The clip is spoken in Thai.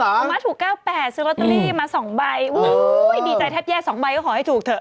คุณม้าถูก๙๘ซื้อลอตเตอรี่มา๒ใบดีใจแทบแยก๒ใบก็ขอให้ถูกเถอ